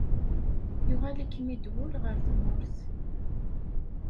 Yuɣal-ikem-id wul ɣer tmurt.